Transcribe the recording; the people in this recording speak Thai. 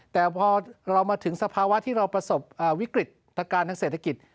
แต่พอเรามาถึงสภาวะที่เราประสบวิกฤตการณ์ทางเศรษฐกิจ